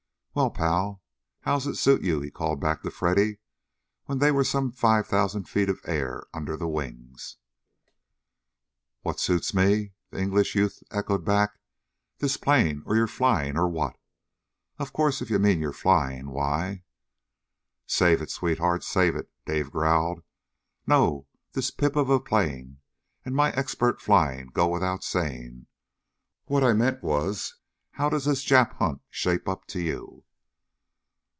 "Well, pal, how's it suit you?" he called back to Freddy when there were some five thousand feet of air under the wings. "What suits me?" the English youth echoed back. "This plane, or your flying, or what? Of course, if you mean your flying, why " "Save it, sweetheart, save it!" Dave growled. "No. This pip of a plane, and my expert flying, go without saying. What I meant was, how does this Jap hunt shape up to you?"